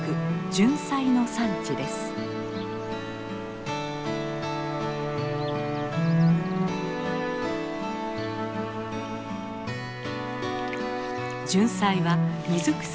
ジュンサイは水草の一種。